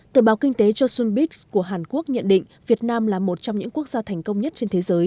tờ báo kinh tế chosunbiks của hàn quốc nhận định việt nam là một trong những quốc gia thành công nhất trên thế giới